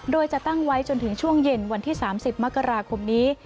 โดยจะตั้งไว้จนถึงช่วงเย็นวันที่๓๐มกราคมนี้